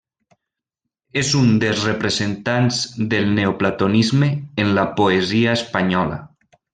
És un dels representants del neoplatonisme en la poesia espanyola.